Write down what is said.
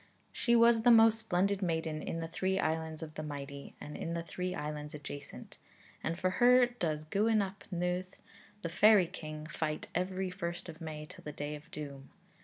'She was the most splendid maiden in the three Islands of the Mighty, and in the three Islands adjacent,' and for her does Gwyn ap Nudd, the fairy king, fight every first of May till the day of doom.